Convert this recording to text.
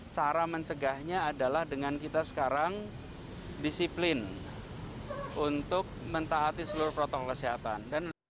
cara mencegahnya adalah dengan kita sekarang disiplin untuk mentaati seluruh protokol kesehatan